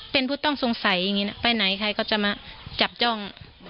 เป็นผู้ต้องสงสัยอย่างนี้นะไปไหนใครก็จะมาจับจ้อง